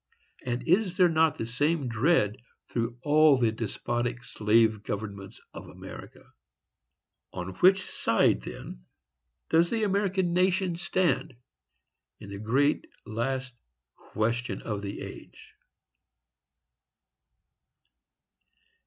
—And is there not the same dread through all the despotic slave governments of America? On which side, then, does the American nation stand, in the great, last QUESTION of the age?